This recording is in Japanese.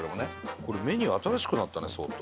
これメニュー新しくなったね相当。